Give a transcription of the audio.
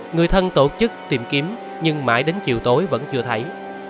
người thân tổ chức tìm kiếm nhưng mãi đến chiều tối vẫn chưa thấy